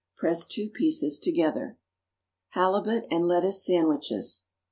Press two pieces together. =Halibut and Lettuce Sandwiches.